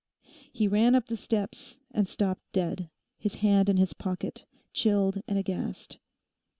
He ran up the steps and stopped dead, his hand in his pocket, chilled and aghast.